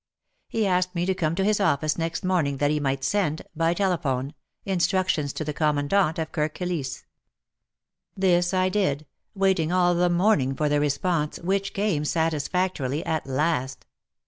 He asked me to come to his office next morning that he might send — by telephone — instructions to the Commandant of Kirk Kilisse. This I did, waiting all the morning for the response, which came satis factorily at last.